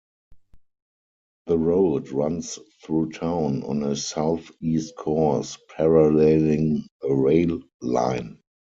The road runs through town on a southeast course, paralleling a rail line.